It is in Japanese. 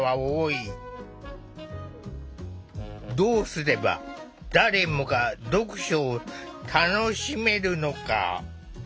どうすれば誰もが読書を楽しめるのか。